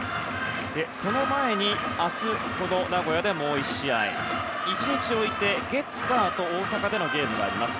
その前に明日、名古屋でもう１試合１日置いて、月火と大阪でのゲームがあります。